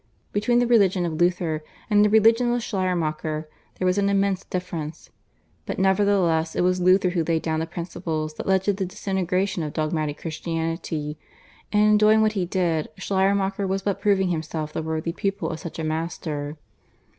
Between the religion of Luther and the religion of Schleiermacher there was an immense difference, but nevertheless it was Luther who laid down the principles that led to the disintegration of dogmatic Christianity, and in doing what he did Schleiermacher was but proving himself the worthy pupil of such a master.